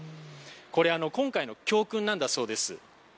これは今回の教訓だそうです。